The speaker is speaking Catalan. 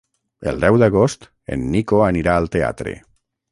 El deu d'agost en Nico anirà al teatre.